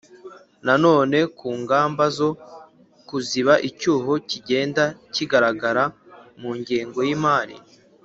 na none ku ngamba zo kuziba icyuho kigenda kigaragara mu ngengo y'imari